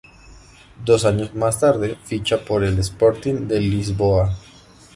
Dos años más tarde ficha por el Sporting de Lisboa.